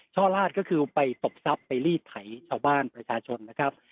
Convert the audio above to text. ช่อลาดก็คือไปตบทรัพย์ไปรีดไถชาวบ้านประชาชนนะครับ